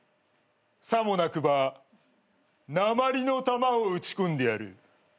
さもなくば鉛の玉を撃ち込んでやる。